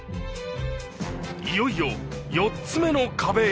い茲い４つ目の壁へ。